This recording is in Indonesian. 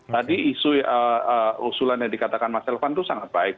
tadi isu usulan yang dikatakan mas elvan itu sangat baik